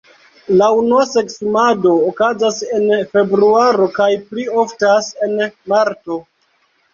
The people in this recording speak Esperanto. La unua seksumado okazas en februaro kaj pli oftas en marto.